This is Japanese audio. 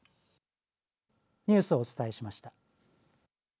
ニュースをお伝えしました。